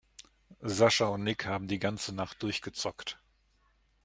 Sascha und Nick haben die ganze Nacht durchgezockt.